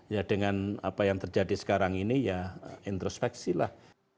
ya dengan apa yang terjadi sekarang ini ya introspeksilah